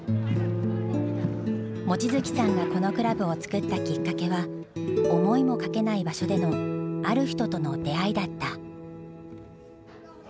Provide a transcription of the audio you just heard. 望月さんがこのクラブを作ったきっかけは思いもかけない場所での“ある人”との出会いだった。